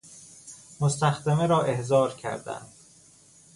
مستخدمه را احضار کردن